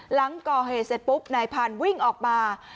หลังก่อเหตุเสร็จปุ๊บนายพันธุ์วิ่งออกมา